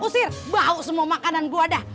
usir bau semua makanan gua dah